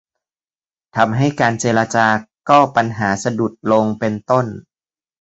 ทำให้การเจรจาก็ปัญหาสะดุดลง เป็นต้น